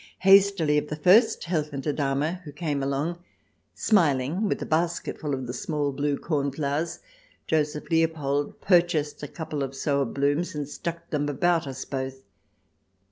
Hastily, of the first Helfende Dame who came along smiling, with a basketful of the small blue cornflowers, Joseph Leopold purchased a couple or so of blooms, and stuck them about us both.